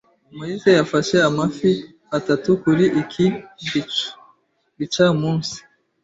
Moise yafashe amafi atatu kuri iki gicamunsi.